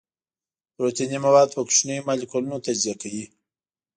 پروتیني مواد په کوچنیو مالیکولونو تجزیه کوي.